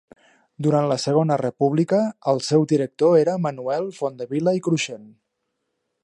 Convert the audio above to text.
Durant la Segona República, el seu director era Manuel Fontdevila Cruixent.